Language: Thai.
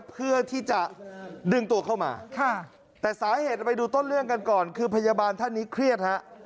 เพื่อที่จะดึงตัวเข้ามาแต่สาเหตุไปดูต้นเรื่องกันก่อนคือพยาบาลท่านนี้เครียดฮะ